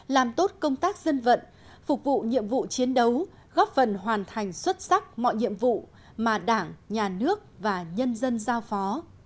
làm tốt công tác dân vận phục vụ nhiệm vụ chiến đấu góp phần hoàn thành xuất sắc mọi nhiệm vụ mà đảng nhà nước và nhân dân giao phó